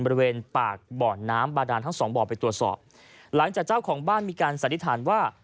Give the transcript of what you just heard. บริเวณปากบ่อน้ำบาดานทั้งสองบ่อไปตรวจสอบหลังจากเจ้าของบ้านมีการสันนิษฐานว่า